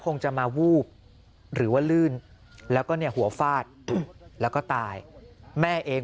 คงจะมาวูบหรือว่าลื่นแล้วก็เนี่ยหัวฟาดแล้วก็ตายแม่เอง